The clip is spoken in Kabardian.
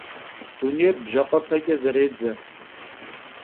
Dunêyr bjakhuepeç'e zerêdze.